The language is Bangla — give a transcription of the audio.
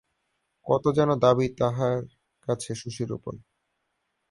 কত যেন দাবি তাহার কাছে শশীর উপর।